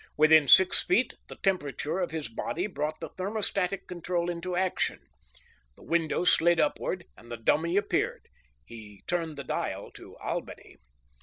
Within six feet, the temperature of his body brought the thermostatic control into action; the window slid upward and the dummy appeared. He turned the dial to Albany.